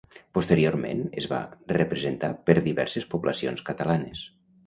Posteriorment es va representar per diverses poblacions catalanes.